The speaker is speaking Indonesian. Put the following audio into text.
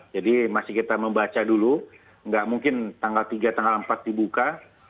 jadi masih kita membaca dulu tidak mungkin tanggal tiga tanggal empat dibuka